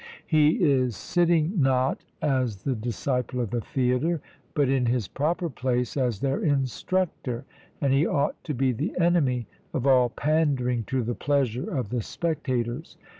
He is sitting not as the disciple of the theatre, but, in his proper place, as their instructor, and he ought to be the enemy of all pandering to the pleasure of the spectators.